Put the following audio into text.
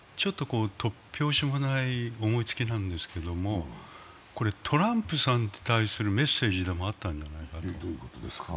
突拍子もない思いつきなんですけれども、トランプさんに対するメッセージでもあったんじゃないだろうか。